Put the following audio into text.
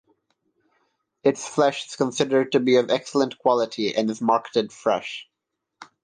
Its flesh is considered to be of excellent quality and is marketed fresh.